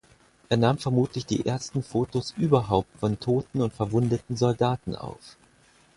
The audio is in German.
Er nahm vermutlich die ersten Fotos überhaupt von toten und verwundeten Soldaten auf.